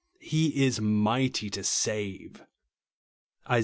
He is "mighty to save" (Isa.